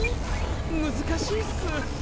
むずかしいっす。